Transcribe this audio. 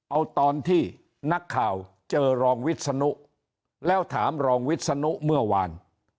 เอาตอนที่นักข่าวเจอรองวิศนุแล้วถามรองวิศนุเมื่อวาน